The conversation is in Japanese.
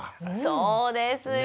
そうですよ。